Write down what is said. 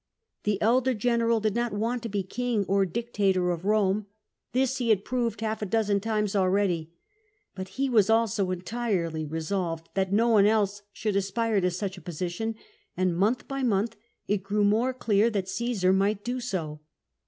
The elder general did not want to be king or dictator of Rome; this he had proved half a dozen times already. But he was also entirely resolved that no one else should aspire to such a position, and month by month it grew more clear that Cassar might do so.